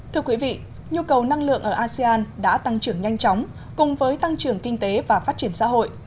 thưa quý vị nhu cầu năng lượng ở asean đã tăng trưởng nhanh chóng cùng với tăng trưởng kinh tế và phát triển xã hội